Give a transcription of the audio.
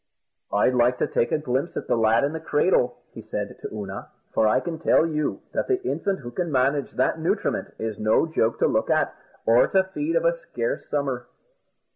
"I'd like to take a glimpse at the lad in the cradle," said he to Oonagh; "for I can tell you that the infant who can manage that nutriment is no joke to look at, or to feed of a scarce summer."